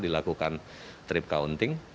dilakukan trip counting